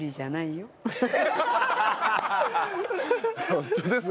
ホントですか？